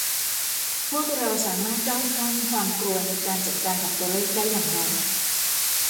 พวกเราสามารถก้าวข้ามความกลัวในการจัดการกับตัวเลขได้อย่างไร